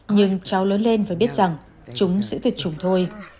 nhưng cháu lớn lên và biết rằng chúng sẽ tuyệt chủng thôi